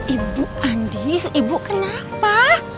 ibu andis ibu kenapa